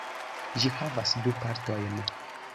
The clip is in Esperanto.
Ĝi havas du partojn.